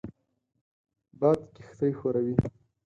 باد کښتۍ ښوروي